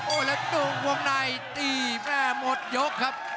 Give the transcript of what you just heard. โอ้แล้วตรงวงในตีแม่หมดยกครับ